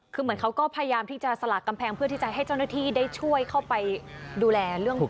คือเหมือนเขาก็พยายามที่จะสลากกำแพงเพื่อที่จะให้เจ้าหน้าที่ได้ช่วยเข้าไปดูแลเรื่องพวก